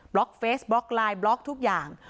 ล็อกเฟสบล็อกไลน์บล็อกทุกอย่าง